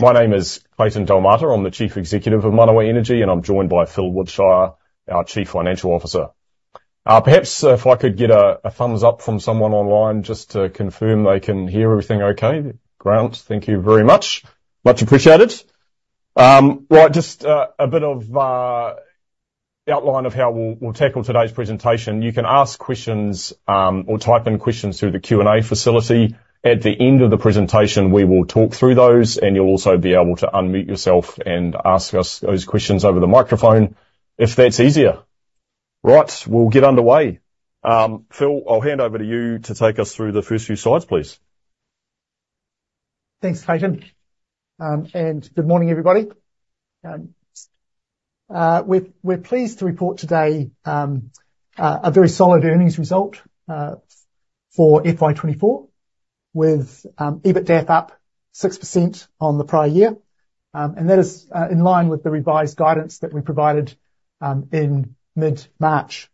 My name is Clayton Delmarter. I'm the Chief Executive of Manawa Energy, and I'm joined by Phil Wiltshire, our Chief Financial Officer. Perhaps, if I could get a thumbs up from someone online just to confirm they can hear everything okay? Great. Thank you very much. Much appreciated. Right, just a bit of outline of how we'll tackle today's presentation. You can ask questions or type in questions through the Q&A facility. At the end of the presentation, we will talk through those, and you'll also be able to unmute yourself and ask us those questions over the microphone, if that's easier. Right, we'll get underway. Phil, I'll hand over to you to take us through the first few slides, please. Thanks, Clayton. And good morning, everybody. We're pleased to report today a very solid earnings result for FY 2024, with EBITDAF up 6% on the prior year. And that is in line with the revised guidance that we provided in mid-March.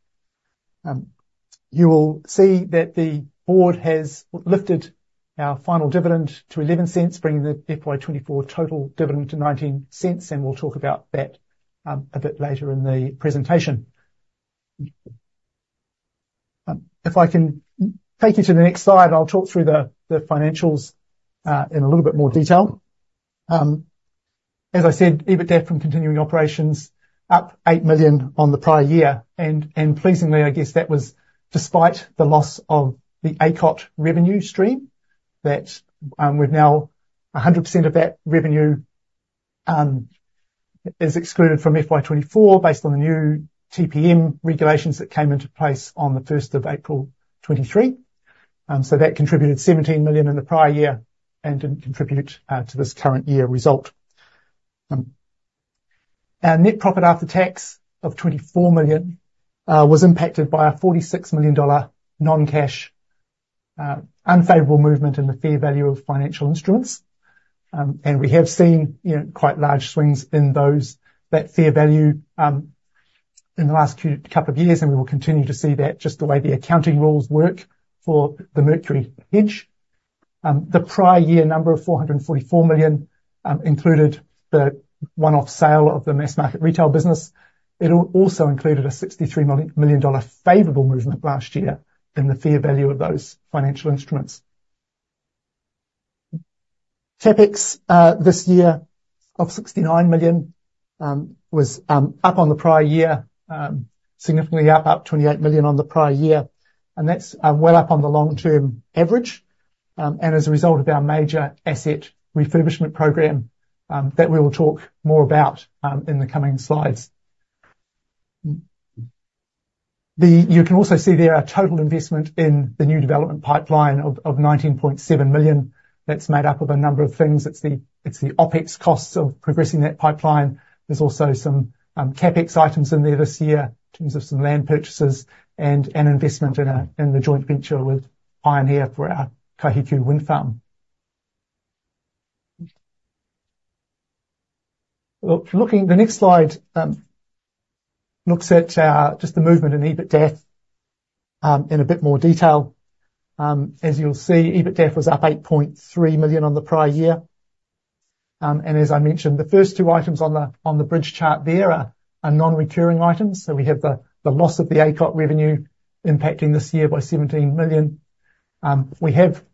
You will see that the board has lifted our final dividend to 0.11, bringing the FY 2024 total dividend to 0.19, and we'll talk about that a bit later in the presentation. If I can take you to the next slide, I'll talk through the financials in a little bit more detail. As I said, EBITDAF from continuing operations, up 8 million on the prior year, and, and pleasingly, I guess that was despite the loss of the ACOT revenue stream, that we've now 100% of that revenue is excluded from FY 2024 based on the new TPM regulations that came into place on the 1st of April 2023. So that contributed 17 million in the prior year and didn't contribute to this current year result. Our net profit after tax of 24 million was impacted by a 46 million dollar non-cash unfavorable movement in the fair value of financial instruments. And we have seen, you know, quite large swings in those, that fair value in the last two couple of years, and we will continue to see that, just the way the accounting rules work for the Mercury hedge. The prior year number of 444 million included the one-off sale of the mass market retail business. It also included a 63 million dollar favorable movement last year in the fair value of those financial instruments. CapEx this year of 69 million was up on the prior year. Significantly up, up 28 million on the prior year, and that's well up on the long-term average. And as a result of our major asset refurbishment program that we will talk more about in the coming slides. You can also see there our total investment in the new development pipeline of 19.7 million. That's made up of a number of things: it's the OpEx costs of progressing that pipeline. There's also some CapEx items in there this year in terms of some land purchases and an investment in the joint venture with Pioneer for our Kaihiku Wind Farm. The next slide looks at just the movement in EBITDAF in a bit more detail. As you'll see, EBITDAF was up 8.3 million on the prior year. And as I mentioned, the first two items on the bridge chart there are non-recurring items. So we have the loss of the ACOT revenue impacting this year by 17 million. We have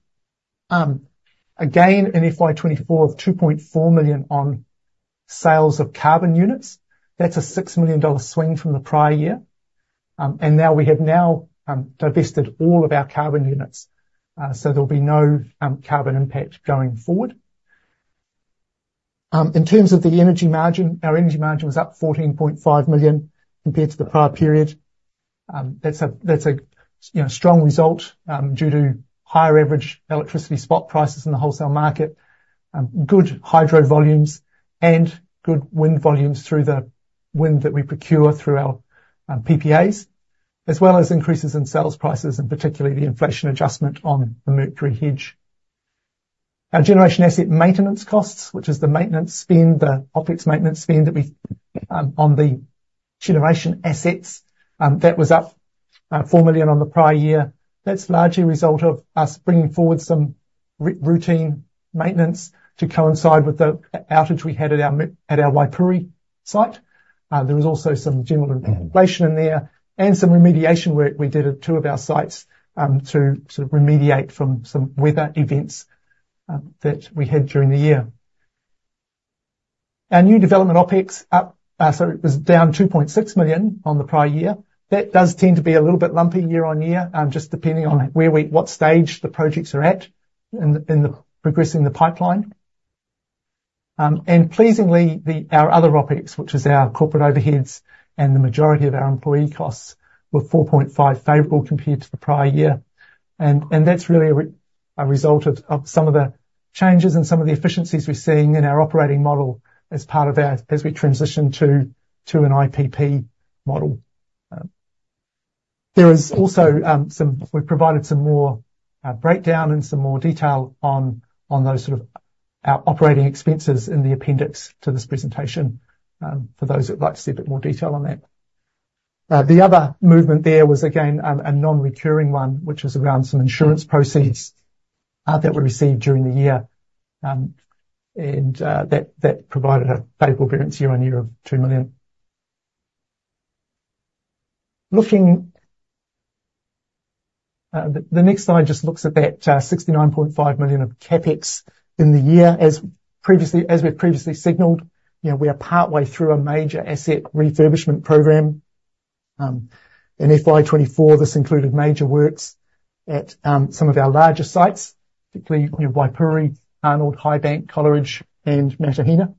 a gain in FY 2024 of 2.4 million on sales of carbon units. That's a 6 million dollar swing from the prior year. And now, we have now divested all of our carbon units, so there'll be no carbon impact going forward. In terms of the energy margin, our energy margin was up 14.5 million compared to the prior period. That's a, that's a you know, strong result, due to higher average electricity spot prices in the wholesale market, good hydro volumes and good wind volumes through the wind that we procure through our PPAs, as well as increases in sales prices and particularly the inflation adjustment on the Mercury hedge. Our generation asset maintenance costs, which is the maintenance spend, the OpEx maintenance spend that we on the generation assets, that was up 4 million on the prior year. That's largely a result of us bringing forward some routine maintenance to coincide with the outage we had at our Waipori site. There was also some general inflation in there and some remediation work we did at two of our sites, to sort of remediate from some weather events, that we had during the year. Our new development OpEx, so it was down 2.6 million on the prior year. That does tend to be a little bit lumpy year-on-year, just depending on what stage the projects are at in progressing the pipeline. And pleasingly, our other OpEx, which is our corporate overheads, and the majority of our employee costs, were 4.5 favorable compared to the prior year. And that's really a result of some of the changes and some of the efficiencies we're seeing in our operating model as part of our, as we transition to an IPP model. There is also some more breakdown and some more detail on those sort of our operating expenses in the appendix to this presentation, for those that'd like to see a bit more detail on that. The other movement there was, again, a non-recurring one, which was around some insurance proceeds that we received during the year. And that provided a favorable variance year-on-year of 2 million. Looking at the next slide just looks at that 69.5 million of CapEx in the year. As previously, as we've previously signaled, you know, we are partway through a major asset refurbishment program. In FY 2024, this included major works at, some of our larger sites, particularly Waipori, Arnold, Highbank, Coleridge and Matahina.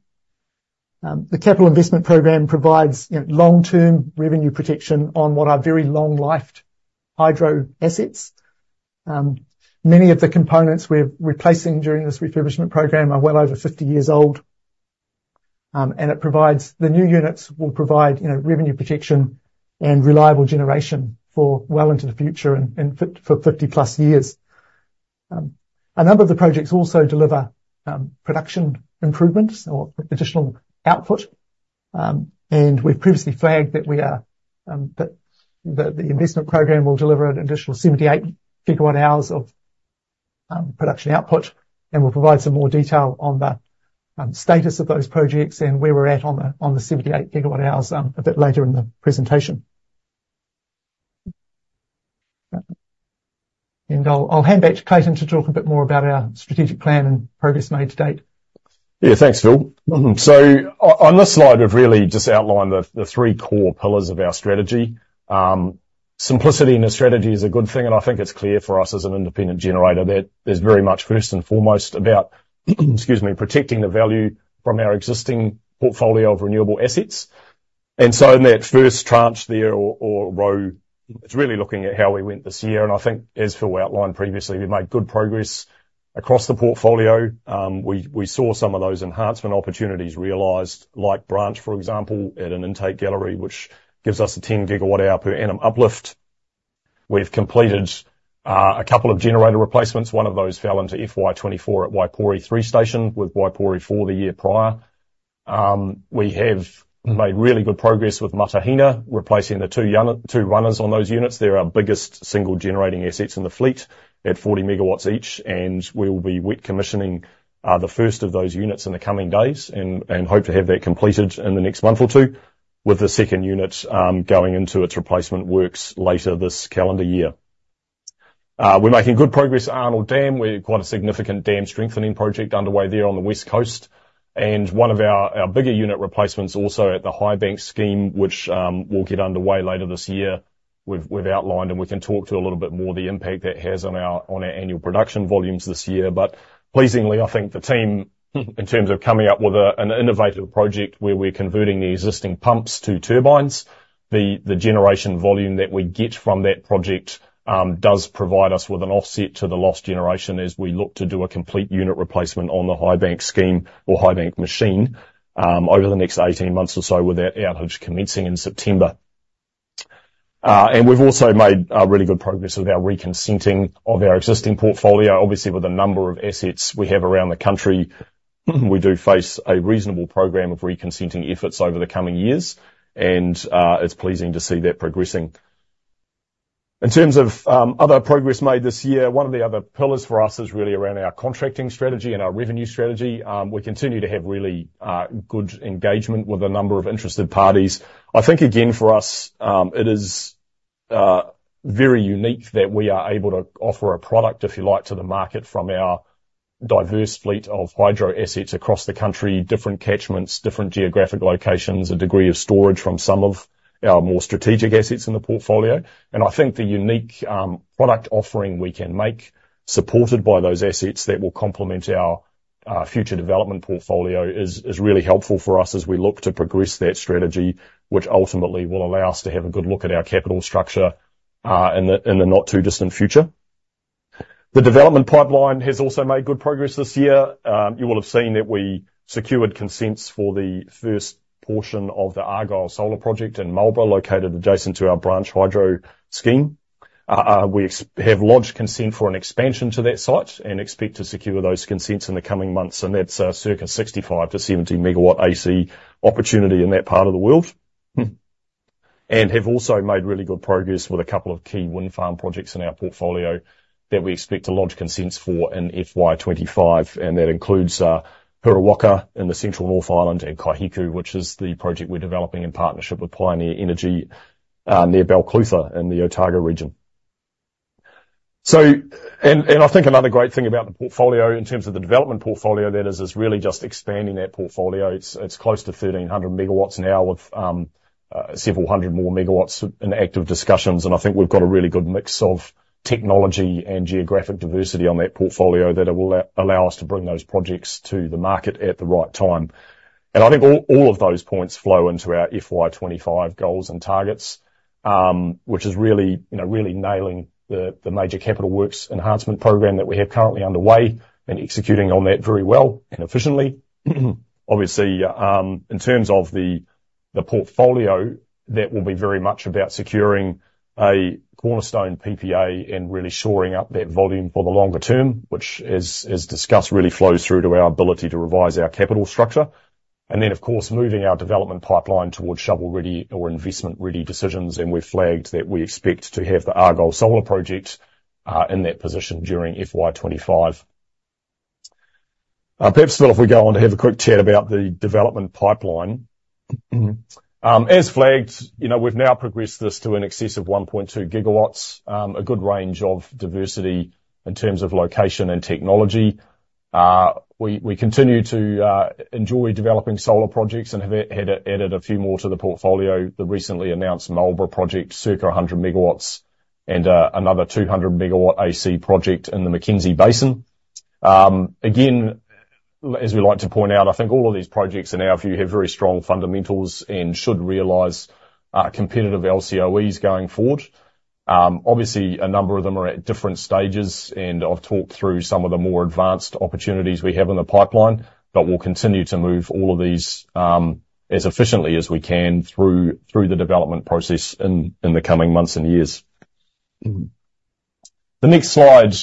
The capital investment program provides, you know, long-term revenue protection on what are very long-lived hydro assets. Many of the components we're replacing during this refurbishment program are well over 50 years old. And it provides. The new units will provide, you know, revenue protection and reliable generation for well into the future and, and for 50+ years. A number of the projects also deliver, production improvements or additional output. And we've previously flagged that we are, that, that the investment program will deliver an additional 78 GWh of, production output. We'll provide some more detail on the status of those projects and where we're at on the 78 GWh a bit later in the presentation. I'll hand back to Clayton to talk a bit more about our strategic plan and progress made to date. Yeah, thanks, Phil. So on this slide, we've really just outlined the three core pillars of our strategy. Simplicity in a strategy is a good thing, and I think it's clear for us as an independent generator that is very much first and foremost about, excuse me, protecting the value from our existing portfolio of renewable assets. And so in that first tranche there or row, it's really looking at how we went this year. And I think as Phil outlined previously, we made good progress across the portfolio. We saw some of those enhancement opportunities realized, like Branch, for example, at an intake gallery, which gives us a 10 GWh per annum uplift. We've completed a couple of generator replacements. One of those fell into FY 2024 at Waipori 3 station, with Waipori 4 the year prior.t We have made really good progress with Matahina, replacing the two runners on those units. They're our biggest single generating assets in the fleet at 40 MW each, and we will be wet commissioning the first of those units in the coming days and hope to have that completed in the next month or two, with the second unit going into its replacement works later this calendar year. We're making good progress at Arnold Dam. We've quite a significant dam strengthening project underway there on the West Coast. And one of our bigger unit replacements also at the Highbank scheme, which will get underway later this year. We've outlined and we can talk to a little bit more the impact that has on our annual production volumes this year. But pleasingly, I think the team, in terms of coming up with an innovative project where we're converting the existing pumps to turbines, the generation volume that we get from that project does provide us with an offset to the lost generation as we look to do a complete unit replacement on the Highbank scheme or Highbank machine over the next 18 months or so, with that outage commencing in September. And we've also made really good progress with our re-consenting of our existing portfolio. Obviously, with a number of assets we have around the country, we do face a reasonable program of re-consenting efforts over the coming years, and it's pleasing to see that progressing. In terms of other progress made this year, one of the other pillars for us is really around our contracting strategy and our revenue strategy. We continue to have really good engagement with a number of interested parties. I think, again, for us, it is very unique that we are able to offer a product, if you like, to the market from our diverse fleet of hydro assets across the country, different catchments, different geographic locations, a degree of storage from some of our more strategic assets in the portfolio. I think the unique product offering we can make, supported by those assets that will complement our future development portfolio is really helpful for us as we look to progress that strategy, which ultimately will allow us to have a good look at our capital structure in the not-too-distant future. The development pipeline has also made good progress this year. You will have seen that we secured consents for the first portion of the Argyle Solar project in Marlborough, located adjacent to our Branch River Hydro Scheme. We have lodged consent for an expansion to that site and expect to secure those consents in the coming months, and that's circa 65 MW-70 MW AC opportunity in that part of the world. Have also made really good progress with a couple of key wind farm projects in our portfolio that we expect to lodge consents for in FY 2025, and that includes Huriwaka in the Central North Island and Kaihiku, which is the project we're developing in partnership with Pioneer Energy near Balclutha in the Otago Region. So... And I think another great thing about the portfolio, in terms of the development portfolio, that is really just expanding that portfolio. It's close to 1,300 MW now with several hundred more MW in active discussions, and I think we've got a really good mix of technology and geographic diversity on that portfolio that will allow us to bring those projects to the market at the right time. I think all of those points flow into our FY 2025 goals and targets, which is really, you know, really nailing the major capital works enhancement program that we have currently underway and executing on that very well and efficiently. Obviously, in terms of the portfolio, that will be very much about securing a cornerstone PPA and really shoring up that volume for the longer term, which, as discussed, really flows through to our ability to revise our capital structure. And then, of course, moving our development pipeline towards shovel-ready or investment-ready decisions, and we've flagged that we expect to have the Argyle Solar project in that position during FY 2025. Perhaps, Phil, if we go on to have a quick chat about the development pipeline. As flagged, you know, we've now progressed this to in excess of 1.2 GWh, a good range of diversity in terms of location and technology. We continue to enjoy developing solar projects and have added a few more to the portfolio. The recently announced Marlborough project, circa 100 MW, and another 200 MW AC project in the Mackenzie Basin. Again, as we like to point out, I think all of these projects in our view have very strong fundamentals and should realize competitive LCOEs going forward. Obviously, a number of them are at different stages, and I've talked through some of the more advanced opportunities we have in the pipeline, but we'll continue to move all of these as efficiently as we can through the development process in the coming months and years. The next slide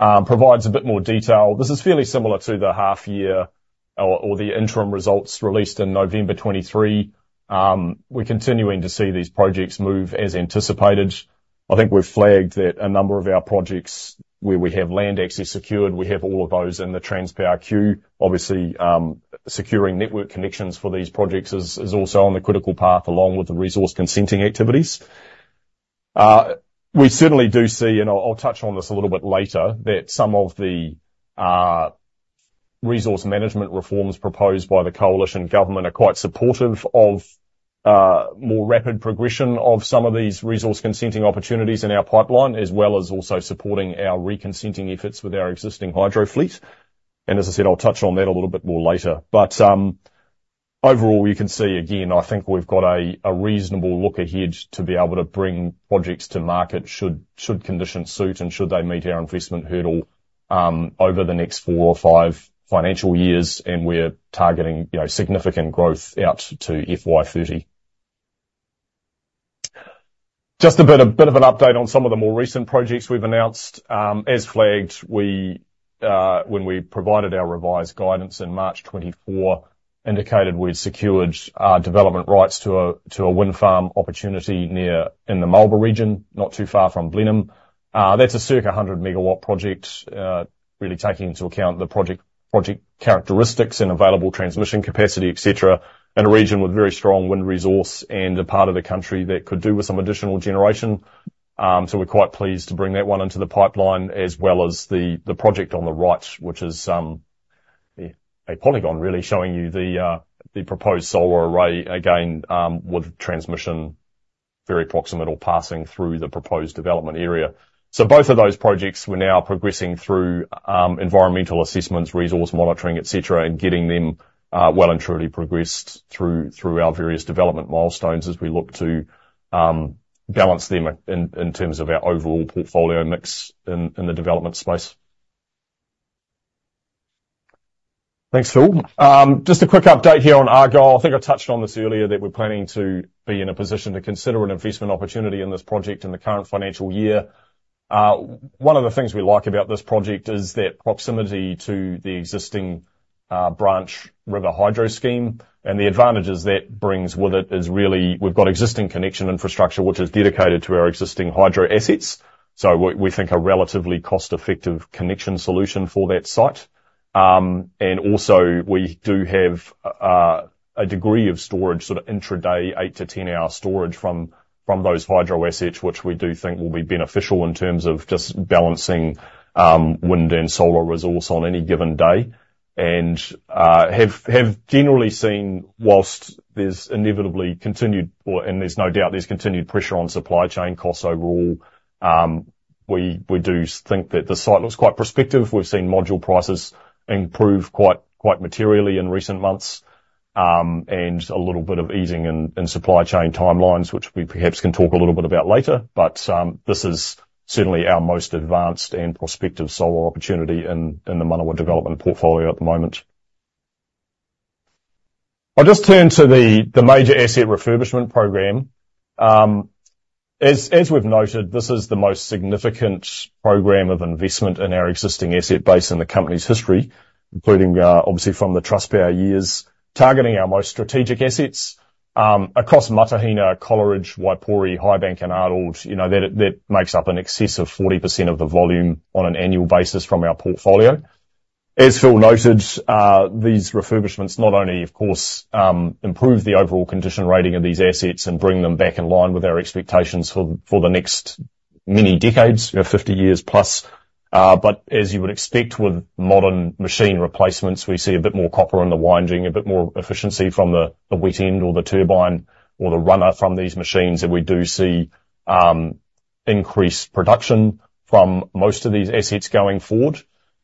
provides a bit more detail. This is fairly similar to the half year or the interim results released in November 2023. We're continuing to see these projects move as anticipated. I think we've flagged that a number of our projects, where we have land access secured, we have all of those in the Transpower queue. Obviously, securing network connections for these projects is also on the critical path along with the resource consenting activities. We certainly do see, and I'll touch on this a little bit later, that some of the Resource Management reforms proposed by the Coalition Government are quite supportive of more rapid progression of some of these resource consenting opportunities in our pipeline, as well as also supporting our re-consenting efforts with our existing hydro fleet. As I said, I'll touch on that a little bit more later. Overall, you can see again, I think we've got a reasonable look ahead to be able to bring projects to market, should conditions suit and should they meet our investment hurdle, over the next four or five financial years, and we're targeting, you know, significant growth out to FY 2030. Just a bit of an update on some of the more recent projects we've announced. As flagged, we when we provided our revised guidance in March 2024, indicated we'd secured development rights to a wind farm opportunity near in the Marlborough Region, not too far from Blenheim. That's a circa 100-megawatt project, really taking into account the project characteristics and available transmission capacity, et cetera, in a region with very strong wind resource and a part of the country that could do with some additional generation. So we're quite pleased to bring that one into the pipeline as well as the project on the right, which is a polygon really showing you the proposed solar array, again, with transmission very proximate or passing through the proposed development area. So both of those projects we're now progressing through environmental assessments, resource monitoring, et cetera, and getting them well and truly progressed through our various development milestones as we look to balance them in terms of our overall portfolio mix in the development space. Thanks, Phil. Just a quick update here on Argyle. I think I touched on this earlier, that we're planning to be in a position to consider an investment opportunity in this project in the current financial year. One of the things we like about this project is that proximity to the existing Branch River Hydro Scheme, and the advantages that brings with it is really we've got existing connection infrastructure, which is dedicated to our existing hydro assets, so we think a relatively cost-effective connection solution for that site. And also we do have a degree of storage, sort of intraday, 8-10-hour storage from those hydro assets, which we do think will be beneficial in terms of just balancing wind and solar resource on any given day. And, have generally seen, while there's inevitably continued, and there's no doubt there's continued pressure on supply chain costs overall, we do think that the site looks quite prospective. We've seen module prices improve quite materially in recent months, and a little bit of easing in supply chain timelines, which we perhaps can talk a little bit about later. But, this is certainly our most advanced and prospective solar opportunity in the Manawa development portfolio at the moment. I'll just turn to the major asset refurbishment program. As we've noted, this is the most significant program of investment in our existing asset base in the company's history, including, obviously from the Trustpower years, targeting our most strategic assets. Across Matahina, Coleridge, Waipori, Highbank, and Arnold, you know, that makes up an excess of 40% of the volume on an annual basis from our portfolio. As Phil noted, these refurbishments not only, of course, improve the overall condition rating of these assets and bring them back in line with our expectations for the next many decades, you know, 50+ years, but as you would expect with modern machine replacements, we see a bit more copper in the winding, a bit more efficiency from the wet end or the turbine or the runner from these machines. And we do see increased production from most of these assets going forward.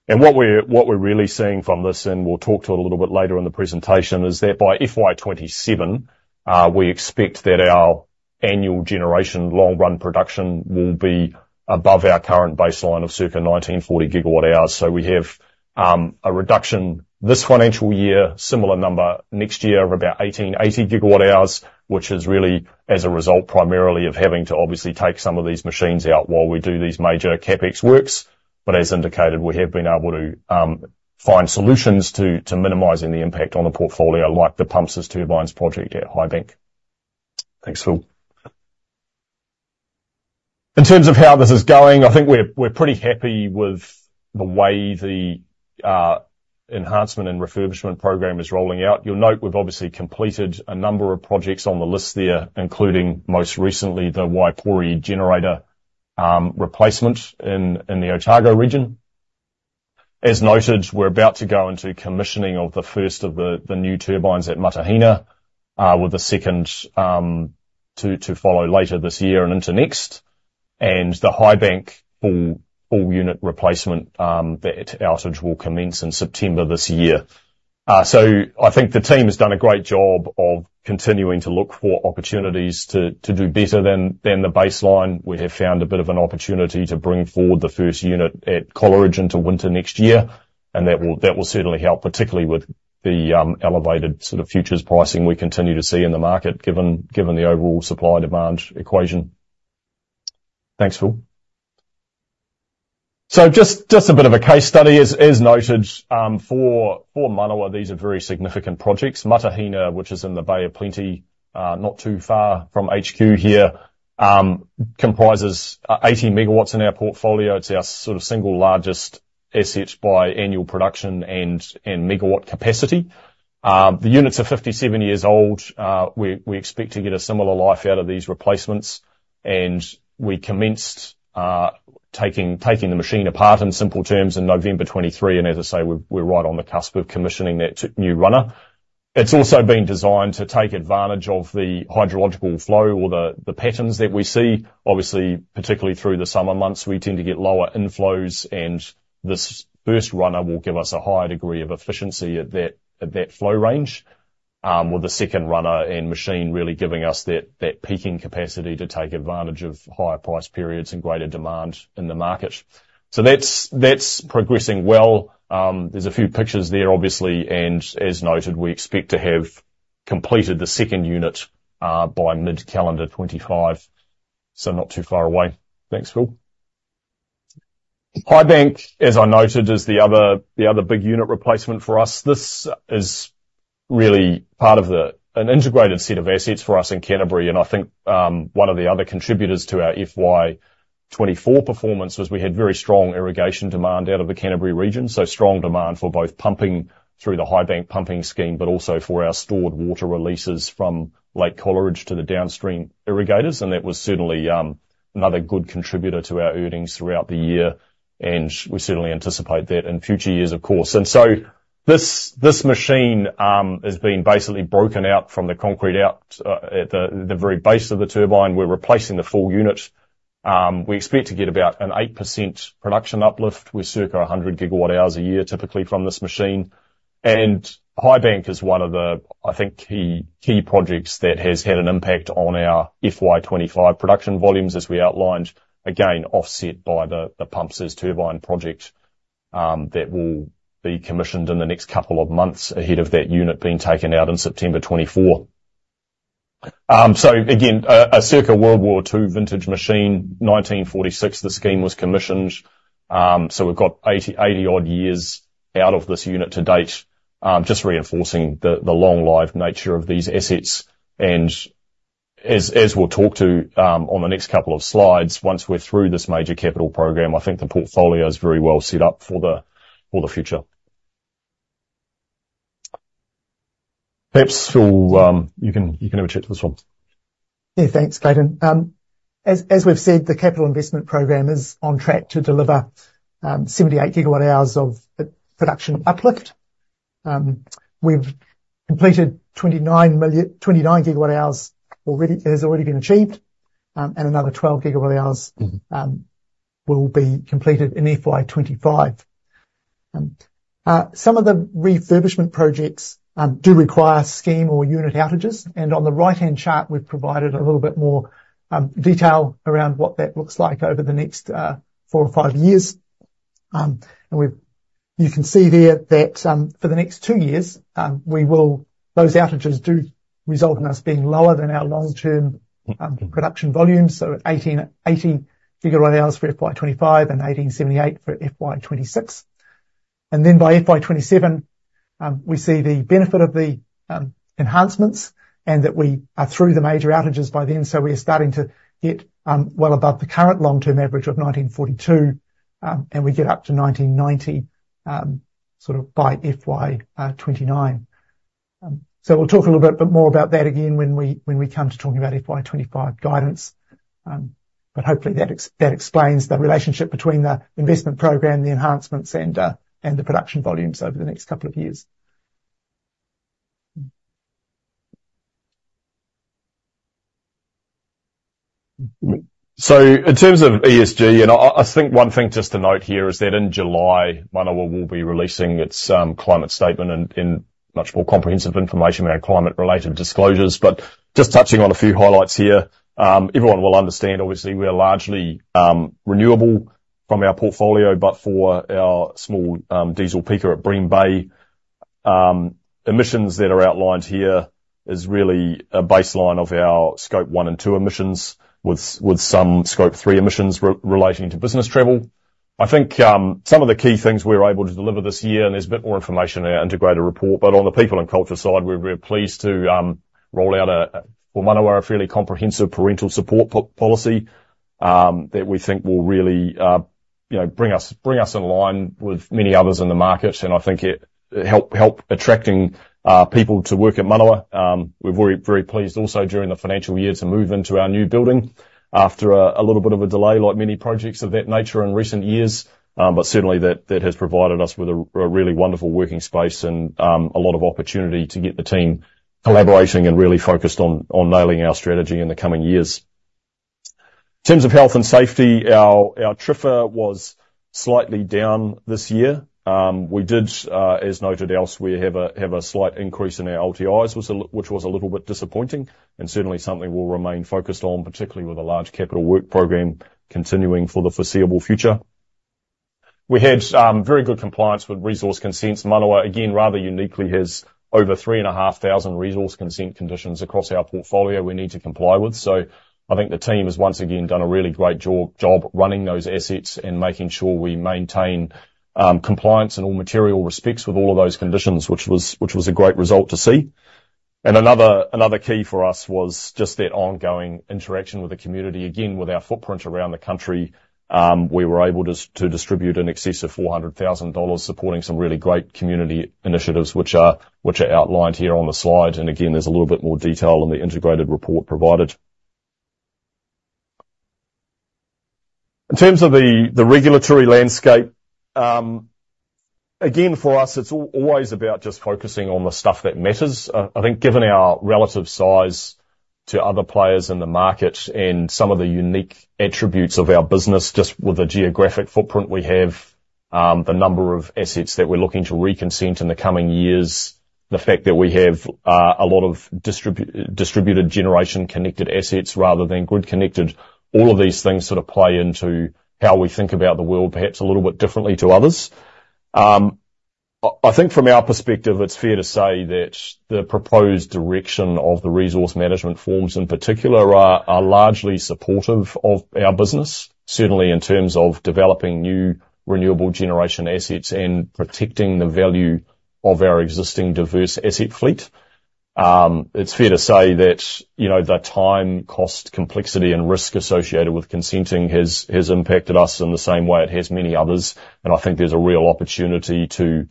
What we're, what we're really seeing from this, and we'll talk to it a little bit later in the presentation, is that by FY 2027, we expect that our annual generation long run production will be above our current baseline of circa 1,940 GWh. So we have a reduction this financial year, similar number next year of about 1,880 GWh, which is really as a result, primarily of having to obviously take some of these machines out while we do these major CapEx works. But as indicated, we have been able to find solutions to, to minimizing the impact on the portfolio, like the Pumps as Turbines project at Highbank. Thanks, Phil. In terms of how this is going, I think we're, we're pretty happy with the way the enhancement and refurbishment program is rolling out. You'll note we've obviously completed a number of projects on the list there, including, most recently, the Waipori generator replacement in the Otago Region. As noted, we're about to go into commissioning of the first of the new turbines at Matahina, with the second to follow later this year and into next. And the Highbank full unit replacement, that outage will commence in September this year. So I think the team has done a great job of continuing to look for opportunities to do better than the baseline. We have found a bit of an opportunity to bring forward the first unit at Coleridge into winter next year, and that will certainly help, particularly with the elevated sort of futures pricing we continue to see in the market, given the overall supply-demand equation. Thanks, Phil. So just a bit of a case study. As noted, for Manawa, these are very significant projects. Matahina, which is in the Bay of Plenty, not too far from HQ here, comprises 80 MW in our portfolio. It's our sort of single largest asset by annual production and megawatt capacity. The units are 57 years old. We expect to get a similar life out of these replacements, and we commenced taking the machine apart, in simple terms, in November 2023. And as I say, we're right on the cusp of commissioning that new runner. It's also been designed to take advantage of the hydrological flow or the patterns that we see. Obviously, particularly through the summer months, we tend to get lower inflows, and this first runner will give us a higher degree of efficiency at that flow range with the second runner and machine really giving us that peaking capacity to take advantage of higher price periods and greater demand in the market. So that's progressing well. There's a few pictures there, obviously, and as noted, we expect to have completed the second unit by mid-calendar 2025, so not too far away. Thanks, Phil. Highbank, as I noted, is the other big unit replacement for us. This is really part of an integrated set of assets for us in Canterbury, and I think, one of the other contributors to our FY 2024 performance was we had very strong irrigation demand out of the Canterbury Region, so strong demand for both pumping through the Highbank pumping scheme, but also for our stored water releases from Lake Coleridge to the downstream irrigators. And that was certainly, another good contributor to our earnings throughout the year, and we certainly anticipate that in future years, of course. And so this, this machine, is being basically broken out from the concrete out, at the, the very base of the turbine. We're replacing the full unit. We expect to get about an 8% production uplift. We're circa 100 GWh a year, typically from this machine. And Highbank is one of the, I think, key projects that has had an impact on our FY 2025 production volumes as we outlined, again, offset by the Pumps as Turbines project that will be commissioned in the next couple of months ahead of that unit being taken out in September 2024. So again, a circa World War II vintage machine. 1946, the scheme was commissioned. So we've got 80-odd years out of this unit to date, just reinforcing the long life nature of these assets. And as we'll talk to on the next couple of slides, once we're through this major capital program, I think the portfolio is very well set up for the future. Perhaps, Phil, you can have a chat to this one. Yeah, thanks, Clayton. As we've said, the capital investment program is on track to deliver 78 GWh of production uplift. We've completed 29 GWh already, has already been achieved, and another 12 GWh- Mm-hmm. will be completed in FY 2025. Some of the refurbishment projects do require scheme or unit outages, and on the right-hand chart, we've provided a little bit more detail around what that looks like over the next four or five years. You can see there that, for the next two years, those outages do result in us being lower than our long-term production volumes, so at 1,880 GWh for FY 2025 and 1,878 GWh for FY 2026. And then by FY 2027, we see the benefit of the enhancements and that we are through the major outages by then, so we are starting to get well above the current long-term average of 1,942 GWh, and we get up to 1,990 GWh sort of by FY 2029. So we'll talk a little bit more about that again when we come to talking about FY 2025 guidance. But hopefully that explains the relationship between the investment program, the enhancements, and the production volumes over the next couple of years. So in terms of ESG, and I think one thing just to note here is that in July, Manawa will be releasing its climate statement and much more comprehensive information about climate-related disclosures. But just touching on a few highlights here, everyone will understand obviously we're largely renewable from our portfolio, but for our small diesel peaker at Bream Bay, emissions that are outlined here is really a baseline of our Scope 1 and 2 emissions, with some Scope 3 emissions relating to business travel. I think, some of the key things we were able to deliver this year, and there's a bit more information in our integrated report, but on the people and culture side, we're very pleased to, roll out a, for Manawa, a fairly comprehensive parental support policy, that we think will really, you know, bring us in line with many others in the market, and I think it help attracting, people to work at Manawa. We're very, very pleased also during the financial year, to move into our new building after a, a little bit of a delay, like many projects of that nature in recent years. But certainly that has provided us with a really wonderful working space and a lot of opportunity to get the team collaborating and really focused on nailing our strategy in the coming years. In terms of health and safety, our TRIFR was slightly down this year. We did, as noted elsewhere, have a slight increase in our LTIs, which was a little bit disappointing and certainly something we'll remain focused on, particularly with a large capital work program continuing for the foreseeable future. We had very good compliance with resource consents. Manawa, again, rather uniquely, has over 3,500 resource consent conditions across our portfolio we need to comply with. So I think the team has once again done a really great job running those assets and making sure we maintain compliance in all material respects with all of those conditions, which was a great result to see. And another key for us was just that ongoing interaction with the community. Again, with our footprint around the country, we were able to distribute in excess of 400,000 dollars, supporting some really great community initiatives, which are outlined here on the slide. And again, there's a little bit more detail on the integrated report provided. In terms of the regulatory landscape, again, for us, it's always about just focusing on the stuff that matters. I think, given our relative size to other players in the market and some of the unique attributes of our business, just with the geographic footprint we have, the number of assets that we're looking to re-consent in the coming years, the fact that we have a lot of distributed generation connected assets rather than grid-connected. All of these things sort of play into how we think about the world, perhaps a little bit differently to others. I think from our perspective, it's fair to say that the proposed direction of the Resource Management reforms in particular are largely supportive of our business. Certainly in terms of developing new renewable generation assets and protecting the value of our existing diverse asset fleet. It's fair to say that, you know, the time, cost, complexity and risk associated with consenting has, has impacted us in the same way it has many others, and I think there's a real opportunity to,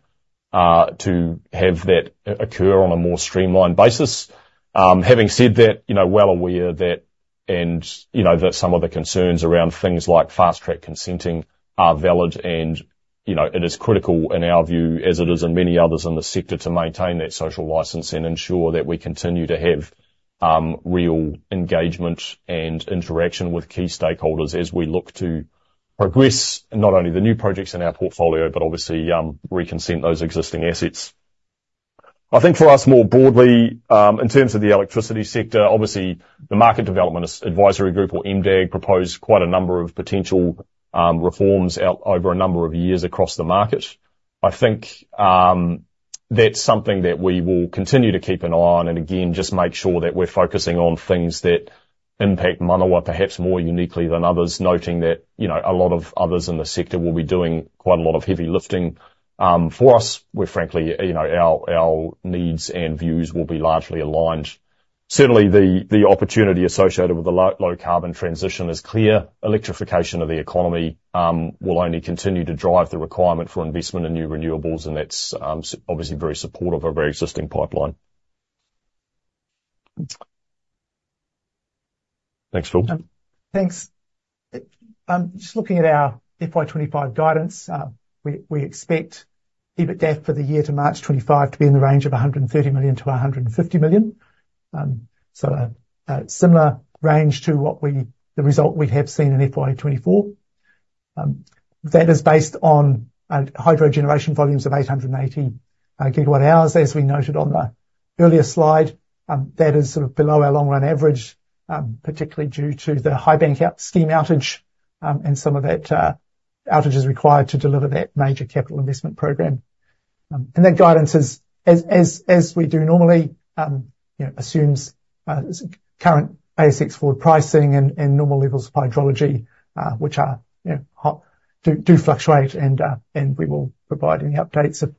to have that occur on a more streamlined basis. Having said that, you know, well aware that, and, you know, that some of the concerns around things like fast-track consenting are valid and, you know, it is critical in our view, as it is in many others in the sector, to maintain that social license and ensure that we continue to have, real engagement and interaction with key stakeholders as we look to progress, not only the new projects in our portfolio, but obviously, re-consent those existing assets. I think for us, more broadly, in terms of the electricity sector, obviously the Market Development Advisory Group or MDAG proposed quite a number of potential reforms out over a number of years across the market. I think that's something that we will continue to keep an eye on, and again, just make sure that we're focusing on things that impact Manawa, perhaps more uniquely than others, noting that, you know, a lot of others in the sector will be doing quite a lot of heavy lifting. For us, we're frankly, you know, our needs and views will be largely aligned. Certainly, the opportunity associated with the low-carbon transition is clear. Electrification of the economy will only continue to drive the requirement for investment in new renewables, and that's obviously very supportive of our existing pipeline. Thanks, Phil. Thanks. Just looking at our FY 2025 guidance, we expect EBITDA for the year to March 2025 to be in the range of 130 million-150 million. So a similar range to the result we have seen in FY 2024. That is based on hydro generation volumes of 880 GWh, as we noted on the earlier slide. That is sort of below our long-run average, particularly due to the Highbank instream outage, and some of that outage is required to deliver that major capital investment program. And that guidance is as we do normally, you know, assumes current ASX forward pricing and normal levels of hydrology, which are, you know, hot... Do fluctuate, and we will provide any updates if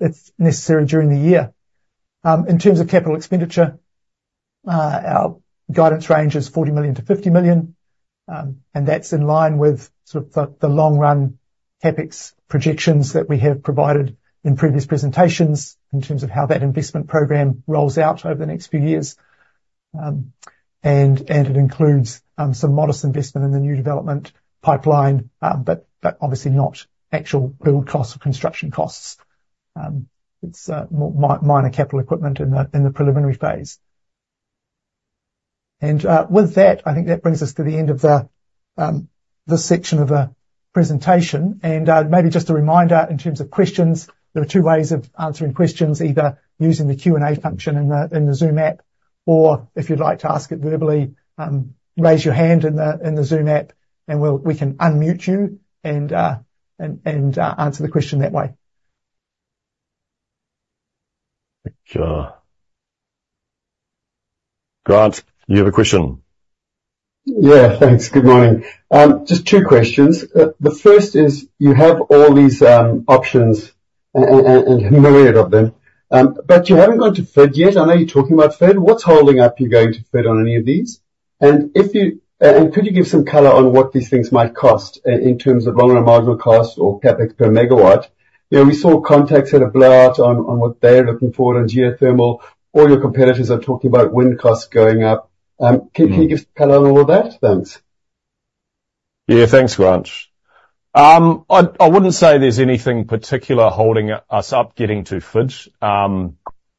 it's necessary during the year. In terms of capital expenditure, our guidance range is 40 million-50 million, and that's in line with sort of the long run CapEx projections that we have provided in previous presentations, in terms of how that investment program rolls out over the next few years. And it includes some modest investment in the new development pipeline, but obviously not actual build costs or construction costs. It's minor capital equipment in the preliminary phase. And with that, I think that brings us to the end of this section of the presentation. Maybe just a reminder in terms of questions. There are two ways of answering questions, either using the Q&A function in the Zoom app or if you'd like to ask it verbally, raise your hand in the Zoom app, and we can unmute you and answer the question that way. Thank you. Grant, you have a question? Yeah, thanks. Good morning. Just two questions. The first is, you have all these options, and a myriad of them, but you haven't gone to FID yet. I know you're talking about FID. What's holding up you going to FID on any of these? And could you give some color on what these things might cost in terms of long-run marginal cost or CapEx per megawatt? You know, we saw Contact's at a blowout on what they're looking for in geothermal. All your competitors are talking about wind costs going up. Can you give us color on all of that? Thanks. Yeah, thanks, Grant. I wouldn't say there's anything particular holding us up getting to FID.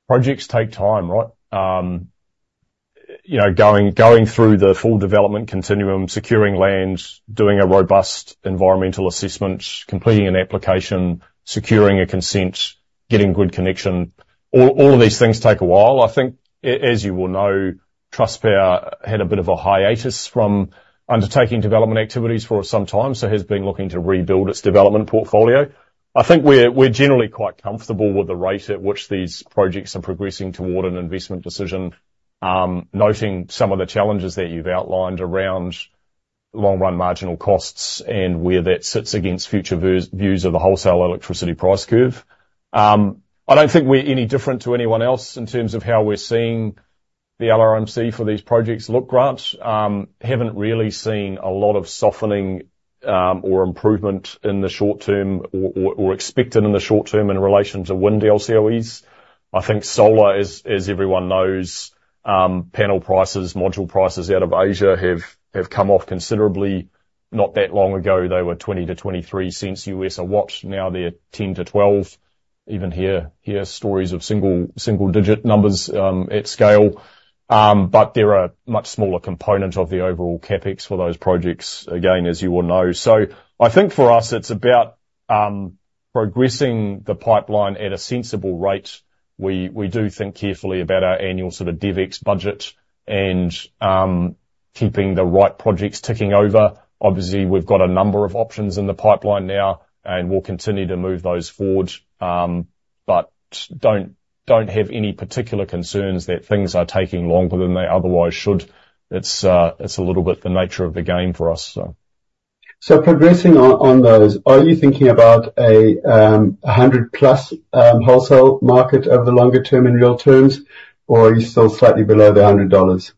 Projects take time, right? You know, going through the full development continuum, securing land, doing a robust environmental assessment, completing an application, securing a consent, getting good connection. All of these things take a while. I think as you well know, Trustpower had a bit of a hiatus from undertaking development activities for some time, so has been looking to rebuild its development portfolio. I think we're generally quite comfortable with the rate at which these projects are progressing toward an investment decision. Noting some of the challenges that you've outlined around long-run marginal costs and where that sits against future views of the wholesale electricity price curve. I don't think we're any different to anyone else in terms of how we're seeing the LRMC for these projects look, Grant. Haven't really seen a lot of softening, or improvement in the short term or expected in the short term in relation to wind LCOEs. I think solar, as everyone knows, panel prices, module prices out of Asia have come off considerably. Not that long ago, they were 0.20-0.23 a watt, now they're 0.10-0.12. Even hear stories of single-digit numbers, at scale. But they're a much smaller component of the overall CapEx for those projects, again, as you well know. So I think for us it's about, progressing the pipeline at a sensible rate. We do think carefully about our annual sort of DevEx budget and keeping the right projects ticking over. Obviously, we've got a number of options in the pipeline now, and we'll continue to move those forward. But don't have any particular concerns that things are taking longer than they otherwise should. It's a little bit the nature of the game for us, so. Progressing on, on those, are you thinking about a 100+ wholesale market over the longer term in real terms, or are you still slightly below the 100 dollars?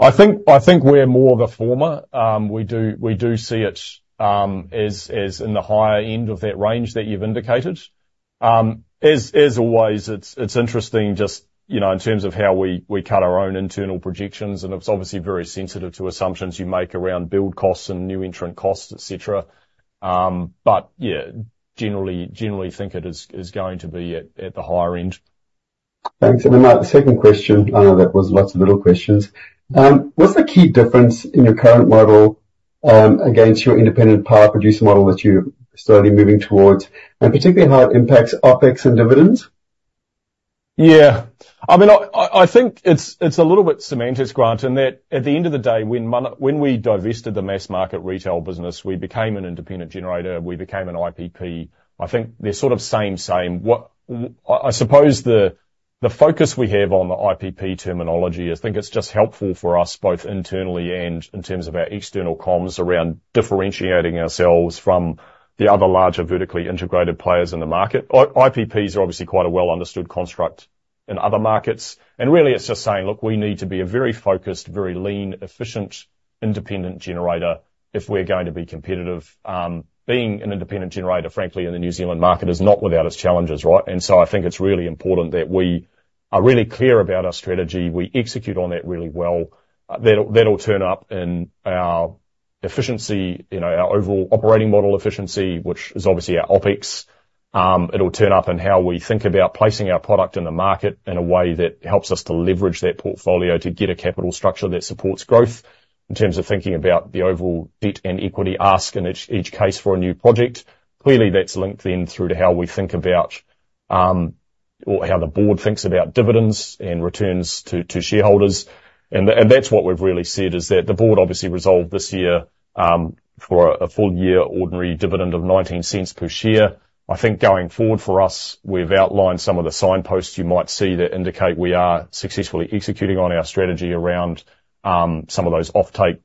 I think we're more the former. We do see it as in the higher end of that range that you've indicated. As always, it's interesting just, you know, in terms of how we cut our own internal projections, and it's obviously very sensitive to assumptions you make around build costs and new entrant costs, et cetera. But yeah, generally think it is going to be at the higher end. Thanks. And then, my second question, that was lots of little questions. What's the key difference in your current model against your independent power producer model that you're slowly moving towards, and particularly how it impacts OpEx and dividends? Yeah. I mean, I think it's a little bit semantics, Grant, in that at the end of the day, when we divested the mass market retail business, we became an independent generator. We became an IPP. I think they're sort of same, same. I suppose the focus we have on the IPP terminology, I think it's just helpful for us, both internally and in terms of our external comms, around differentiating ourselves from the other larger vertically integrated players in the market. IPPs are obviously quite a well-understood construct in other markets, and really, it's just saying, look, we need to be a very focused, very lean, efficient, independent generator if we're going to be competitive. Being an independent generator, frankly, in the New Zealand market is not without its challenges, right? I think it's really important that we are really clear about our strategy. We execute on that really well. That'll turn up in our efficiency, you know, our overall operating model efficiency, which is obviously our OpEx. It'll turn up in how we think about placing our product in the market in a way that helps us to leverage that portfolio to get a capital structure that supports growth. In terms of thinking about the overall debt and equity ask in each case for a new project, clearly that's linked then through to how we think about, or how the board thinks about dividends and returns to shareholders. And that's what we've really said, is that the board obviously resolved this year for a full-year ordinary dividend of 0.19 per share. I think going forward for us, we've outlined some of the signposts you might see that indicate we are successfully executing on our strategy around some of those offtake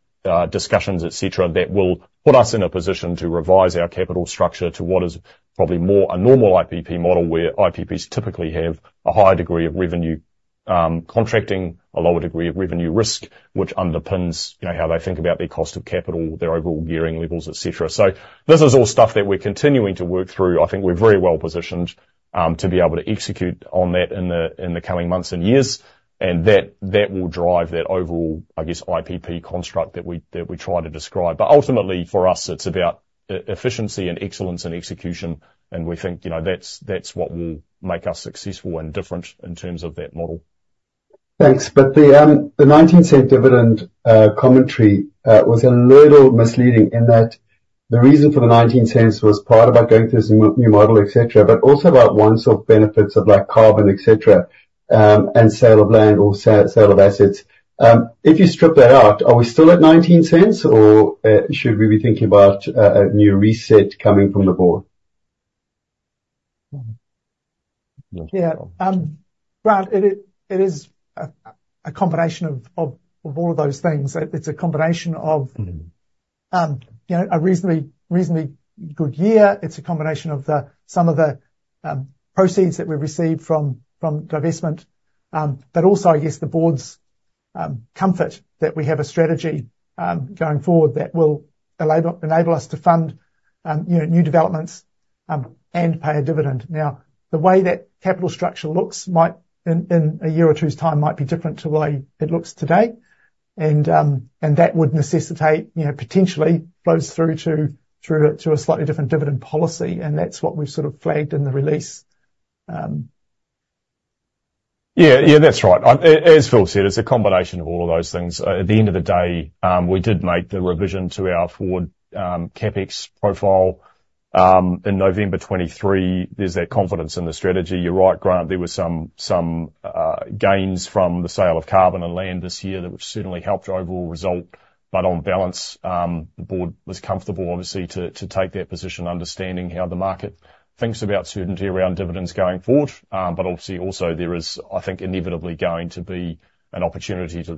discussions, et cetera, that will put us in a position to revise our capital structure to what is probably more a normal IPP model. Where IPPs typically have a higher degree of revenue contracting, a lower degree of revenue risk, which underpins, you know, how they think about their cost of capital, their overall gearing levels, et cetera. So this is all stuff that we're continuing to work through. I think we're very well positioned to be able to execute on that in the coming months and years, and that will drive that overall, I guess, IPP construct that we try to describe. Ultimately, for us, it's about efficiency and excellence in execution, and we think, you know, that's what will make us successful and different in terms of that model.... Thanks. But the 0.19 dividend commentary was a little misleading, in that the reason for the 0.19 was part about going through some new model, et cetera, et cetera, but also about one-off benefits of, like, carbon, et cetera, and sale of land or sale of assets. If you strip that out, are we still at 0.19, or should we be thinking about a new reset coming from the board? Yeah. Grant, it is a combination of all of those things. It's a combination of- Mm-hmm. You know, a reasonably, reasonably good year. It's a combination of the, some of the, proceeds that we've received from, from divestment. But also, I guess, the board's, comfort that we have a strategy, going forward that will enable, enable us to fund, you know, new developments, and pay a dividend. Now, the way that capital structure looks might, in, in a year or two's time, might be different to the way it looks today. And, and that would necessitate, you know, potentially flows through to, through to, to a slightly different dividend policy, and that's what we've sort of flagged in the release. Yeah, yeah, that's right. As, as Phil said, it's a combination of all of those things. At the end of the day, we did make the revision to our forward CapEx profile in November 2023. There's that confidence in the strategy. You're right, Grant, there were some gains from the sale of carbon and land this year that would've certainly helped our overall result. But on balance, the board was comfortable, obviously, to take that position, understanding how the market thinks about certainty around dividends going forward. But obviously, also there is, I think, inevitably going to be an opportunity for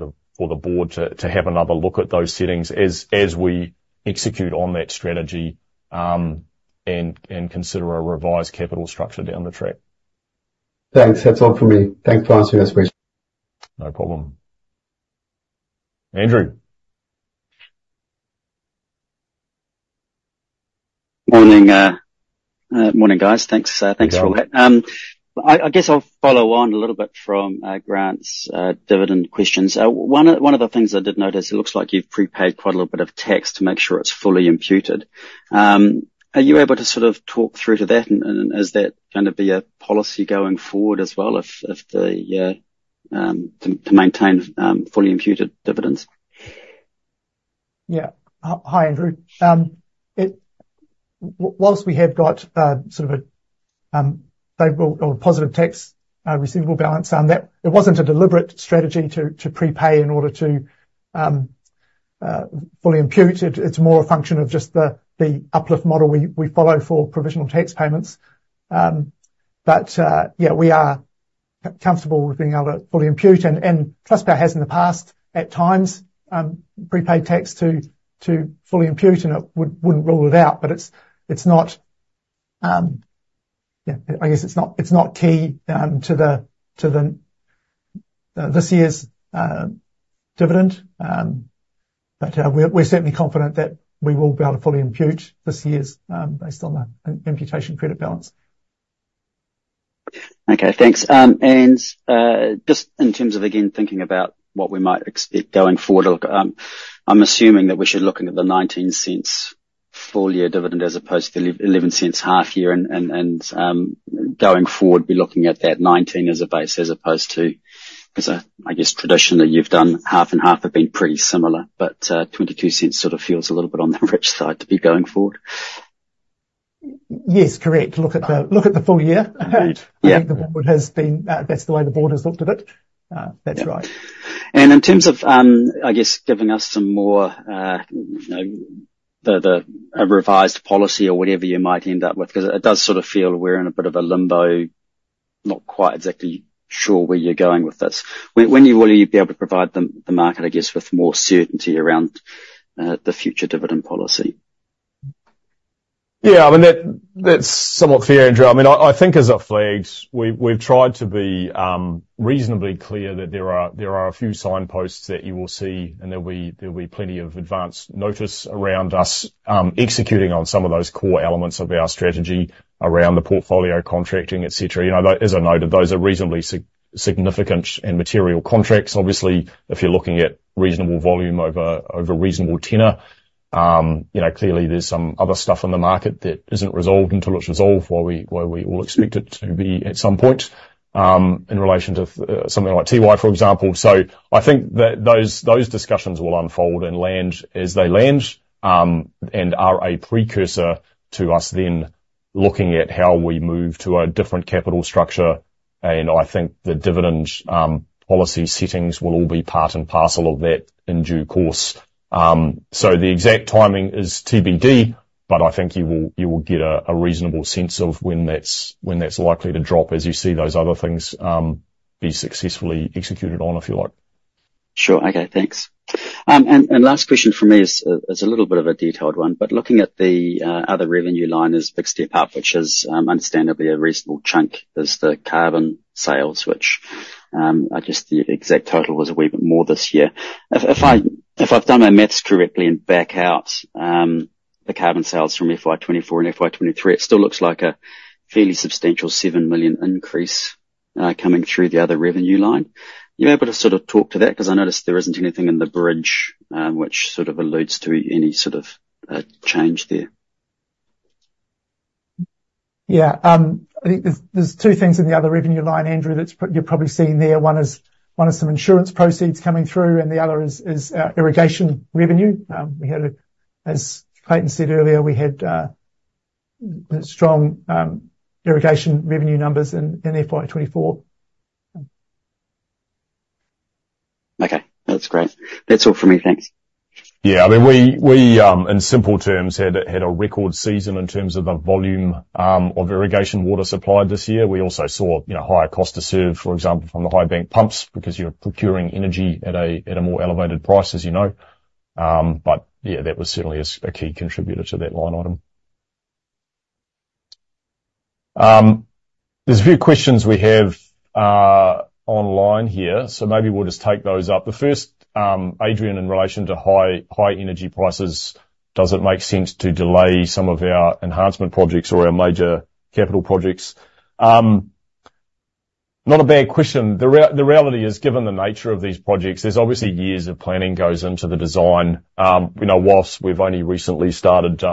the board to have another look at those settings as we execute on that strategy, and consider a revised capital structure down the track. Thanks. That's all for me. Thanks for answering those questions. No problem. Andrew? Morning, guys. Thanks for all that. Good morning. I guess I'll follow on a little bit from Grant's dividend questions. One of the things I did notice, it looks like you've prepaid quite a little bit of tax to make sure it's fully imputed. Are you able to sort of talk through to that? And is that gonna be a policy going forward as well, to maintain fully imputed dividends? Yeah. Hi, Andrew. Whilst we have got sort of a favorable or a positive tax receivable balance, that it wasn't a deliberate strategy to prepay in order to fully impute. It's more a function of just the uplift model we follow for provisional tax payments. But yeah, we are comfortable with being able to fully impute. And Trustpower has in the past, at times, prepaid tax to fully impute, and I wouldn't rule it out. But it's not, yeah, I guess it's not key to this year's dividend. But we're certainly confident that we will be able to fully impute this year's based on the imputation credit balance. Okay, thanks. And just in terms of, again, thinking about what we might expect going forward, I'm assuming that we should be looking at the 0.19 full year dividend as opposed to the 0.11 half year. And going forward, be looking at that 0.19 as a base, as opposed to... I guess traditionally you've done half and half have been pretty similar. But 0.22 sort of feels a little bit on the rich side to be going forward. Yes, correct. Look at the, look at the full year. Indeed. Yeah. I think the board has been. That's the way the board has looked at it. That's right. And in terms of, I guess, giving us some more, you know, a revised policy or whatever you might end up with. 'Cause it does sort of feel we're in a bit of a limbo, not quite exactly sure where you're going with this. When will you be able to provide the market, I guess, with more certainty around the future dividend policy? Yeah, I mean, that's somewhat fair, Andrew. I mean, I think as I flagged, we've tried to be reasonably clear that there are a few signposts that you will see, and there'll be plenty of advance notice around us executing on some of those core elements of our strategy around the portfolio, contracting, et cetera. You know, as I noted, those are reasonably significant and material contracts. Obviously, if you're looking at reasonable volume over a reasonable tenor, you know, clearly there's some other stuff in the market that isn't resolved until it's resolved, where we all expect it to be at some point, in relation to something like Tiwai, for example. So I think that those discussions will unfold and land as they land, and are a precursor to us then looking at how we move to a different capital structure. And I think the dividend policy settings will all be part and parcel of that in due course. So the exact timing is TBD, but I think you will get a reasonable sense of when that's likely to drop, as you see those other things be successfully executed on, if you like. Sure. Okay, thanks. And last question from me is a little bit of a detailed one, but looking at the other revenue line is a big step up, which is understandably a reasonable chunk is the carbon sales, which I guess the exact total was a wee bit more this year. If I've done my math correctly and back out the carbon sales from FY 2024 and FY 2023, it still looks like a fairly substantial 7 million increase coming through the other revenue line. Are you able to sort of talk to that? 'Cause I noticed there isn't anything in the bridge, which sort of alludes to any sort of change there.... Yeah, I think there's two things in the other revenue line, Andrew, that's probably you're seeing there. One is some insurance proceeds coming through, and the other is irrigation revenue. We had, as Clayton said earlier, strong irrigation revenue numbers in FY 2024. Okay, that's great. That's all for me. Thanks. Yeah, I mean, we in simple terms had a record season in terms of the volume of irrigation water supplied this year. We also saw, you know, higher cost to serve, for example, from the Highbank pumps, because you're procuring energy at a more elevated price, as you know. But yeah, that was certainly a key contributor to that line item. There's a few questions we have online here, so maybe we'll just take those up. The first, Adrian, in relation to high energy prices, does it make sense to delay some of our enhancement projects or our major capital projects? Not a bad question. The reality is, given the nature of these projects, there's obviously years of planning goes into the design. You know, while we've only recently started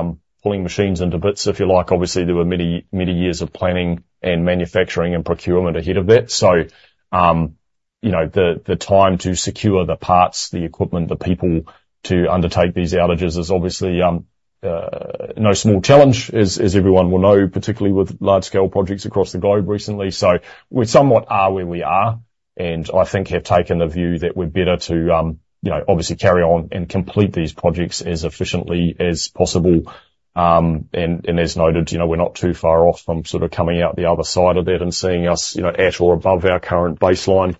pulling machines into bits, if you like, obviously there were many, many years of planning and manufacturing and procurement ahead of that. So, you know, the time to secure the parts, the equipment, the people, to undertake these outages is obviously no small challenge, as everyone will know, particularly with large-scale projects across the globe recently. So we somewhat are where we are, and I think have taken the view that we're better to, you know, obviously carry on and complete these projects as efficiently as possible. And as noted, you know, we're not too far off from sort of coming out the other side of that and seeing us, you know, at or above our current baseline.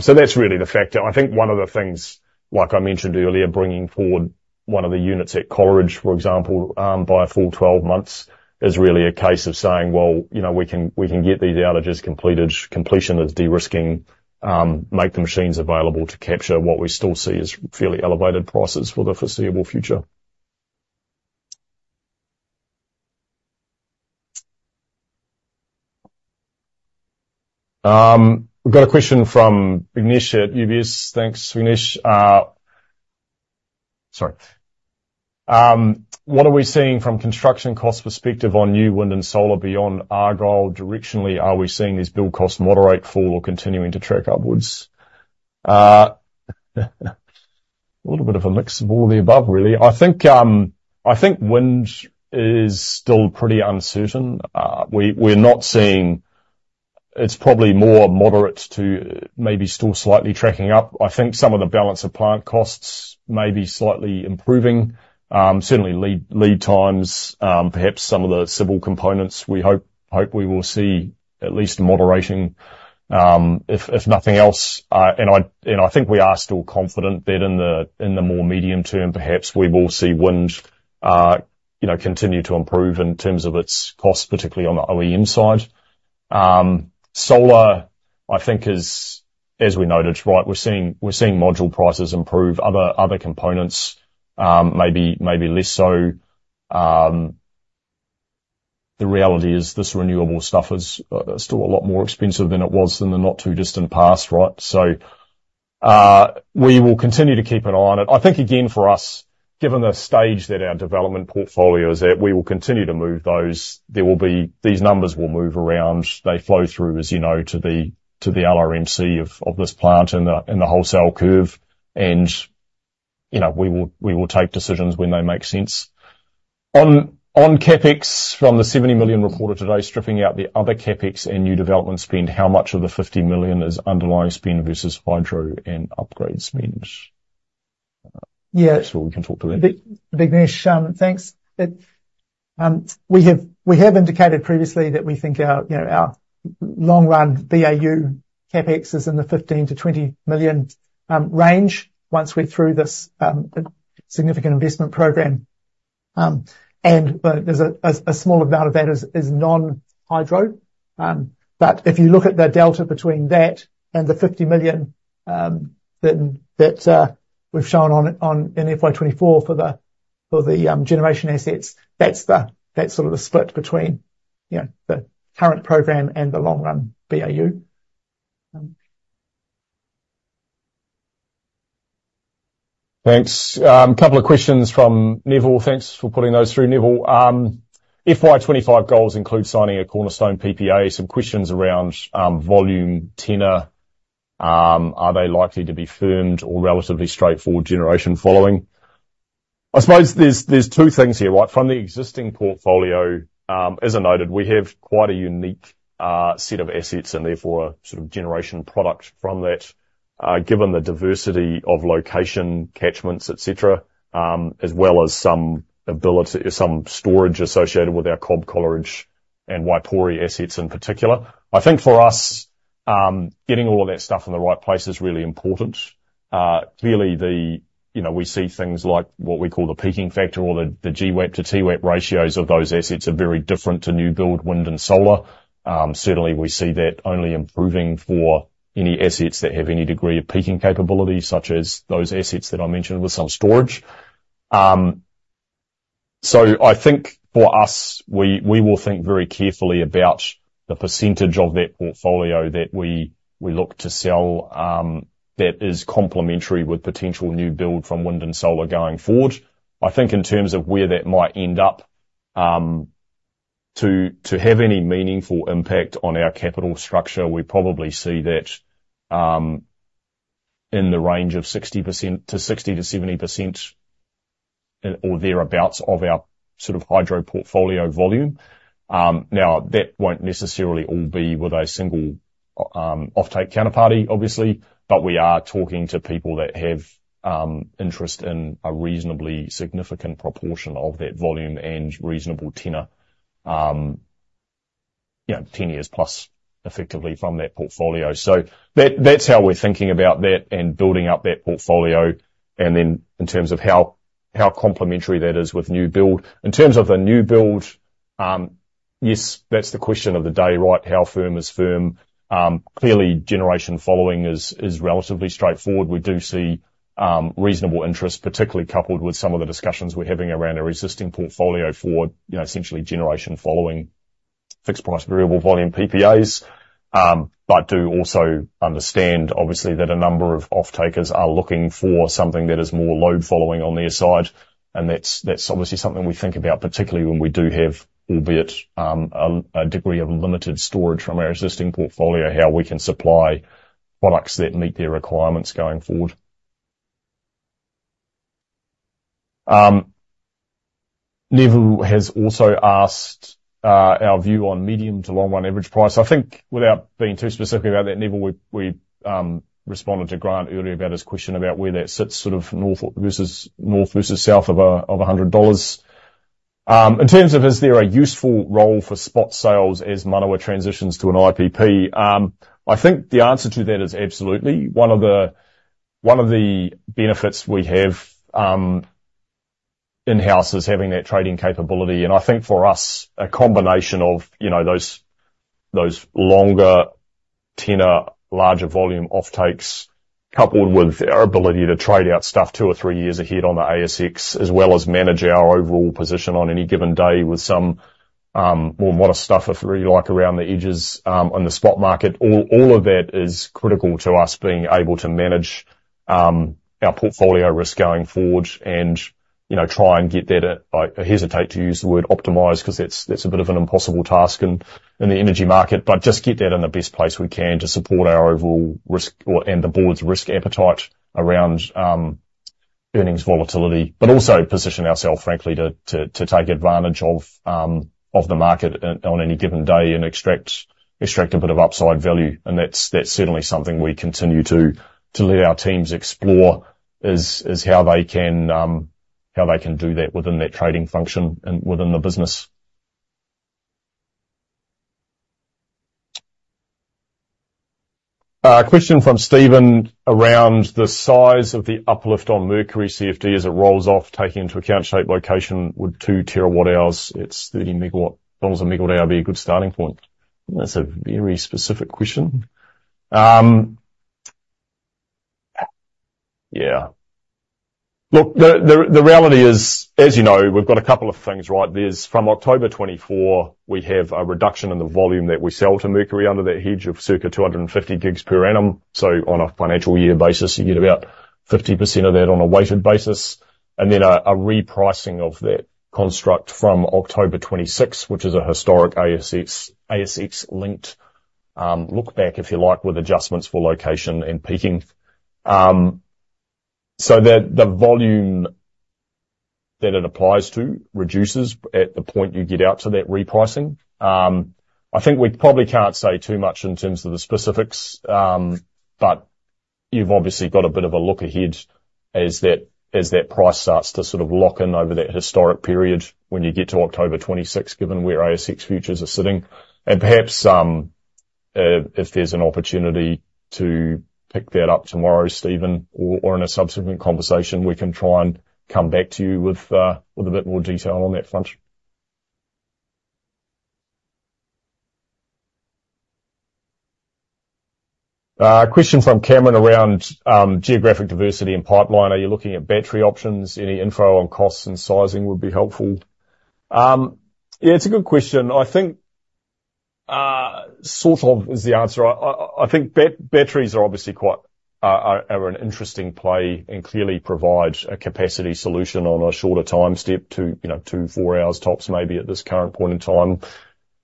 So that's really the factor. I think one of the things, like I mentioned earlier, bringing forward one of the units at Coleridge, for example, by a full 12 months, is really a case of saying, well, you know, we can, we can get these outages completed. Completion is de-risking, make the machines available to capture what we still see as fairly elevated prices for the foreseeable future. We've got a question from Vignesh at UBS. Thanks, Vignesh. What are we seeing from construction cost perspective on new wind and solar beyond Argyle? Directionally, are we seeing these build costs moderate for or continuing to track upwards? A little bit of a mix of all the above, really. I think, I think wind is still pretty uncertain. We're not seeing... It's probably more moderate to maybe still slightly tracking up. I think some of the balance of plant costs may be slightly improving. Certainly lead-times, perhaps some of the civil components, we hope we will see at least a moderation, if nothing else. And I think we are still confident that in the more medium term, perhaps we will see wind, you know, continue to improve in terms of its cost, particularly on the OEM side. Solar, I think, as we noted, right, we're seeing module prices improve. Other components, maybe less so. The reality is, this renewable stuff is still a lot more expensive than it was in the not too distant past, right? So, we will continue to keep an eye on it. I think, again, for us, given the stage that our development portfolio is at, we will continue to move those. There will be—these numbers will move around. They flow through, as you know, to the LRMC of this plant and the wholesale curve. And, you know, we will take decisions when they make sense. On CapEx, from the 70 million reported today, stripping out the other CapEx and new development spend, how much of the 50 million is underlying spend versus hydro and upgrade spend? Yeah. We can talk to that. Vignesh, thanks. We have indicated previously that we think our, you know, our long run BAU CapEx is in the 15 million-20 million range once we're through this significant investment program. But there's a small amount of that is non-hydro. But if you look at the delta between that and the 50 million that we've shown on it, in FY 2024 for the generation assets, that's sort of the split between, you know, the current program and the long run BAU. Thanks. Couple of questions from Neville. Thanks for putting those through, Neville. FY 2025 goals include signing a cornerstone PPA. Some questions around, volume tenure. Are they likely to be firmed or relatively straightforward generation-following? I suppose there's two things here, right? From the existing portfolio, as I noted, we have quite a unique set of assets and therefore sort of generation product from that, given the diversity of location, catchments, et cetera, as well as some ability, some storage associated with our Cobb, Coleridge, and Waipori assets in particular. I think for us, getting all of that stuff in the right place is really important. Clearly, the... You know, we see things like what we call the peaking factor or the GWAP-to-TWAP ratios of those assets are very different to new build wind and solar. Certainly, we see that only improving for any assets that have any degree of peaking capability, such as those assets that I mentioned with some storage. So I think for us, we will think very carefully about the percentage of that portfolio that we look to sell, that is complementary with potential new build from wind and solar going forward. I think in terms of where that might end up, to have any meaningful impact on our capital structure, we probably see that in the range of 60%-70%, or thereabouts, of our sort of hydro portfolio volume. Now, that won't necessarily all be with a single, offtake counterparty, obviously, but we are talking to people that have, interest in a reasonably significant proportion of that volume and reasonable tenure, you know, 10+ years effectively from that portfolio. So that, that's how we're thinking about that and building up that portfolio. And then in terms of how, how complementary that is with new build. In terms of the new build, yes, that's the question of the day, right? How firm is firm? Clearly, generation-following is relatively straightforward. We do see, reasonable interest, particularly coupled with some of the discussions we're having around our existing portfolio for, you know, essentially generation-following fixed price, variable volume PPAs. But do also understand, obviously, that a number of offtakers are looking for something that is more load-following on their side, and that's obviously something we think about, particularly when we do have, albeit, a degree of limited storage from our existing portfolio, how we can supply products that meet their requirements going forward. Neville has also asked our view on medium to long run average price. I think without being too specific about that, Neville, we responded to Grant earlier about his question about where that sits, sort of north versus south of 100 dollars. In terms of is there a useful role for spot sales as Manawa transitions to an IPP? I think the answer to that is absolutely. One of the benefits we have in-house is having that trading capability. I think for us, a combination of, you know, those longer tenure, larger volume offtakes, coupled with our ability to trade out stuff two or three years ahead on the ASX, as well as manage our overall position on any given day with some more modest stuff, if you like, around the edges on the spot market. All of that is critical to us being able to manage our portfolio risk going forward and, you know, try and get that at, I hesitate to use the word optimize, 'cause that's a bit of an impossible task in the energy market. But just get that in the best place we can to support our overall risk and the board's risk appetite around earnings volatility, but also position ourselves, frankly, to take advantage of the market on any given day and extract, extract a bit of upside value. And that's certainly something we continue to let our teams explore, is how they can do that within that trading function and within the business. A question from Stephen around the size of the uplift on Mercury CFD as it rolls off, taking into account shape, location, with 2 TWh, it's 30 MWh be a good starting point? That's a very specific question. Yeah. Look, the reality is, as you know, we've got a couple of things, right? There's from October 2024, we have a reduction in the volume that we sell to Mercury under that hedge of circa 250 GWh per annum. So on a financial year basis, you get about 50% of that on a weighted basis, and then a repricing of that construct from October 2026, which is a historic ASX, ASX-linked, look-back, if you like, with adjustments for location and peaking. So the, the volume that it applies to reduces at the point you get out to that repricing. I think we probably can't say too much in terms of the specifics, but you've obviously got a bit of a look ahead as that, as that price starts to sort of lock in over that historic period when you get to October 2026, given where ASX futures are sitting. And perhaps, if there's an opportunity to pick that up tomorrow, Stephen, or in a subsequent conversation, we can try and come back to you with a bit more detail on that front. A question from Cameron around geographic diversity and pipeline. Are you looking at battery options? Any info on costs and sizing would be helpful. Yeah, it's a good question. I think sort of is the answer. I think batteries are obviously quite an interesting play and clearly provide a capacity solution on a shorter time step to, you know, two-four hours tops, maybe at this current point in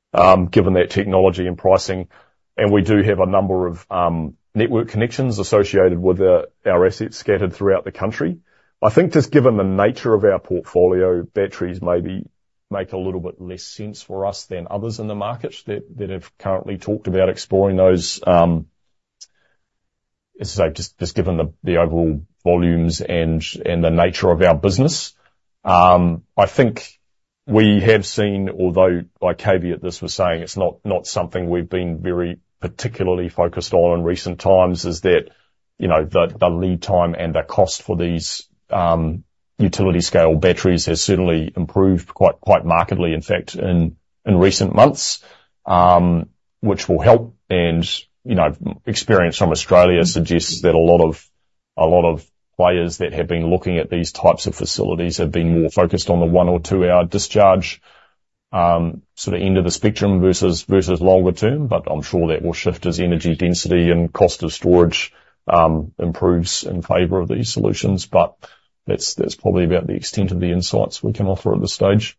time, given that technology and pricing. And we do have a number of network connections associated with our assets scattered throughout the country. I think just given the nature of our portfolio, batteries maybe make a little bit less sense for us than others in the market that have currently talked about exploring those, as I say, just given the overall volumes and the nature of our business. I think we have seen, although I caveat this with saying it's not something we've been very particularly focused on in recent times, is that, you know, the lead-time and the cost for these utility-scale batteries has certainly improved quite markedly, in fact, in recent months, which will help. You know, experience from Australia suggests that a lot of, a lot of players that have been looking at these types of facilities have been more focused on the one- or two-hour discharge, sort of end of the spectrum versus, versus longer term, but I'm sure that will shift as energy density and cost of storage improves in favor of these solutions. But that's, that's probably about the extent of the insights we can offer at this stage.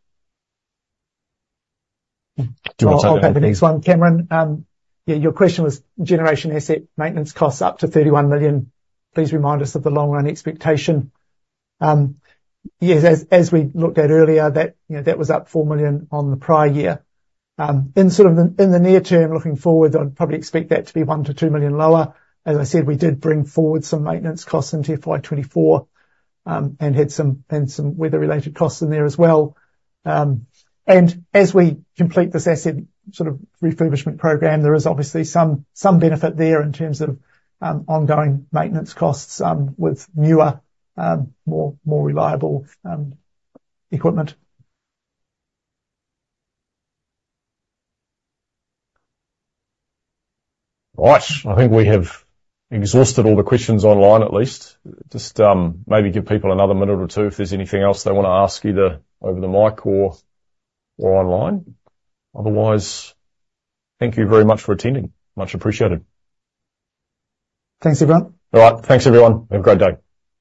I'll take the next one. Cameron, yeah, your question was generation asset maintenance costs up to 31 million. Please remind us of the long-run expectation. Yes, as we looked at earlier, you know, that was up 4 million on the prior year. In sort of the near term, looking forward, I'd probably expect that to be 1 million-2 million lower. As I said, we did bring forward some maintenance costs into FY 2024, and had some weather-related costs in there as well. And as we complete this asset refurbishment program, there is obviously some benefit there in terms of ongoing maintenance costs, with newer, more reliable equipment. Right. I think we have exhausted all the questions online at least. Just, maybe give people another minute or two if there's anything else they want to ask either over the mic or, or online. Otherwise, thank you very much for attending. Much appreciated. Thanks, everyone. All right. Thanks, everyone. Have a great day.